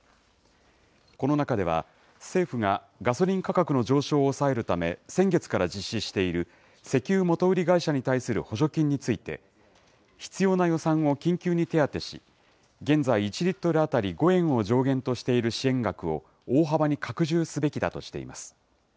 この中では、政府がガソリン価格の上昇を抑えるため、先月から実施している、石油元売り会社に対する補助金について、必要な予算を緊急に手当てし、現在１リットル当たり５円を上限としている支援額を大幅に拡充すべきだとしています。